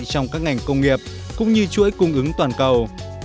trong các ngành công nghiệp cũng như chuỗi cung ứng toàn cầu